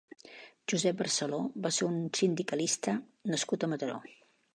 Josep Barceló va ser un sindicalista nascut a Mataró.